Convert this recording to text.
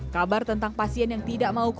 kabar tentang pasien yang tidak mau